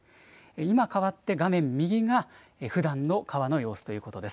今かわって、画面右がふだんの川の様子ということです。